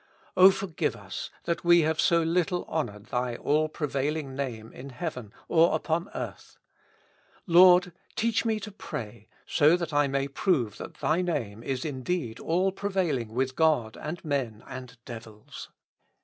O forgive us that we have so little honored Thy all prevailing Name in heaven or upon earth. Lord ! teach me to pray so that I may prove that Thy Name is indeed all pre vailing with God and men and devils.